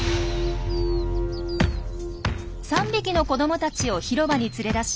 ３匹の子どもたちを広場に連れ出し